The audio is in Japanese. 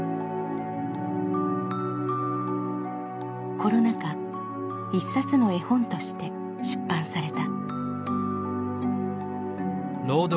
コロナ禍一冊の絵本として出版された。